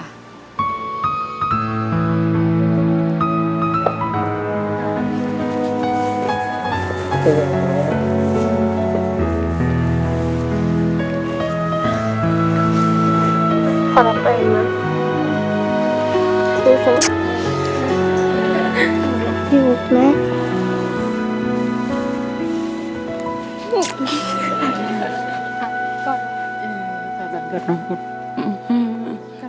บรรยาผู้คลาดตรีจนต่ำตนกล้า